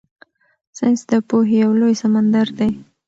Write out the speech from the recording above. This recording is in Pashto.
ساینس د پوهې یو لوی سمندر دی.